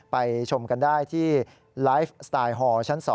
ชมกันได้ที่ไลฟ์สไตล์ฮอร์ชั้น๒